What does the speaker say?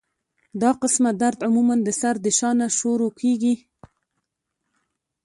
دا قسمه درد عموماً د سر د شا نه شورو کيږي